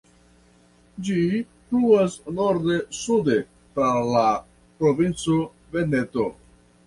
Ĝi fluas norde-sude tra la provinco Veneto.